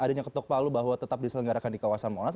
adanya ketok palu bahwa tetap diselenggarakan di kawasan monas